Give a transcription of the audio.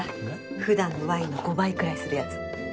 普段のワインの５倍くらいするやつ。